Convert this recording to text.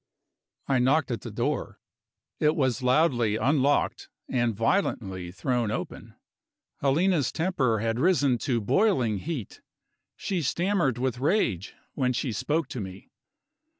I knocked at the door. It was loudly unlocked, and violently thrown open. Helena's temper had risen to boiling heat; she stammered with rage when she spoke to me.